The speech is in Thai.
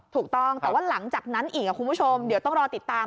ถูกต้องแต่ว่าหลังจากนั้นอีกคุณผู้ชมเดี๋ยวต้องรอติดตาม